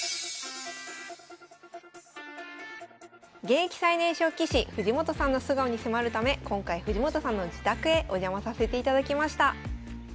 現役最年少棋士藤本さんの素顔に迫るため今回藤本さんの自宅へお邪魔させていただきました。